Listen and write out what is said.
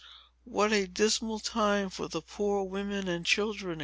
"What a dismal time for the poor women and children!"